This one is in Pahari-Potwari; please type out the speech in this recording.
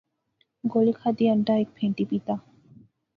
گولی کھادی، انٹا ہیک پھینٹی پی تہ